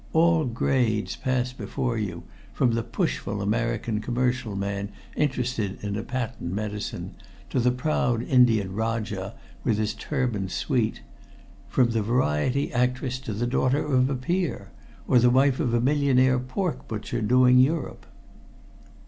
All grades pass before you, from the pushful American commercial man interested in a patent medicine, to the proud Indian Rajah with his turbaned suite; from the variety actress to the daughter of a peer, or the wife of a millionaire pork butcher doing Europe.